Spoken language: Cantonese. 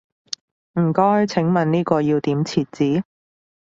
唔該，請問呢個要點設置？